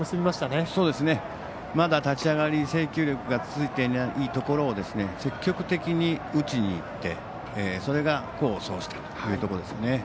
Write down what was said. まだ立ち上がり制球力がついていないところを積極的に打ちにいって、それが功を奏したというところですね。